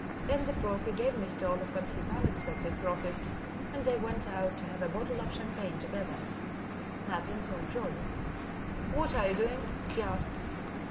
Then the broker gave Mr. Oliphant his unexpected profits, and they went out to have a bottle of champagne together. Mappin sought Joseph. "What are you doing?" he asked.